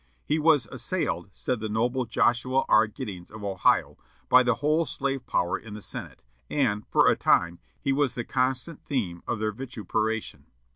"He was assailed," said the noble Joshua R. Giddings of Ohio, "by the whole slave power in the Senate, and, for a time, he was the constant theme of their vituperation.